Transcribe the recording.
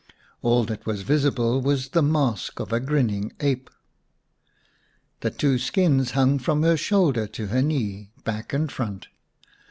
All that was visible was the mask of a grinning ape. The two skins hung from her shoulder to her knee, back and front.